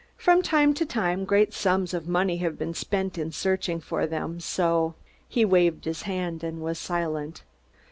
"From time to time great sums of money have been spent in searching for them, so " He waved his hand and was silent.